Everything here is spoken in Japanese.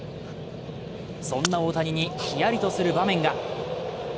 そんな大谷にヒヤリとする場面が。